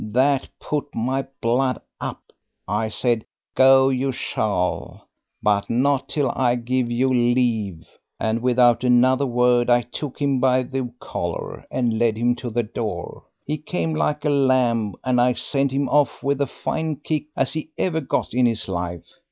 That put my blood up. I said, 'Go you shall, but not till I give you leave,' and without another word I took him by the collar and led him to the door; he came like a lamb, and I sent him off with as fine a kick as he ever got in his life.